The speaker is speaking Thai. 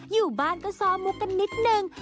อยู่บ้านก็ซ้อมมุกกันนิดนึง